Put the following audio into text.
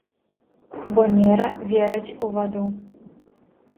Бо мера вераць у ваду.